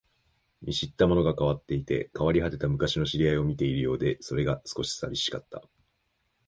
見知ったものが変わっていて、変わり果てた昔の知り合いを見ているようで、それが少し寂しかった